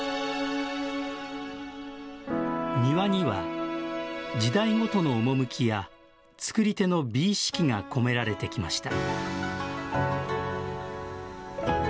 庭には、時代ごとの趣やつくり手の美意識が込められてきました。